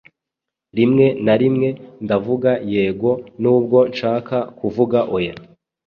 Rimwe na rimwe ndavuga "yego," nubwo nshaka kuvuga "oya."